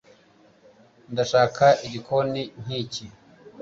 ndashaka igikoni nkiki